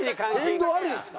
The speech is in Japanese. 変動あるんですか？